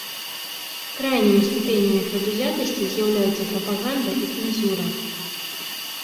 Крайнімі ступенямі прадузятасці з'яўляюцца прапаганда і цэнзура.